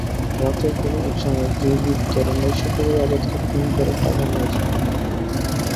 রাতের কোনো একসময়ে দুর্বৃত্তরা নৈশপ্রহরী আজাদকে খুন করে টাকা নিয়ে যায়।